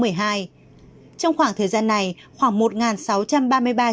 trong khoảng thời gian này khoảng một sáu trăm ba mươi ba trường hợp đã bị bệnh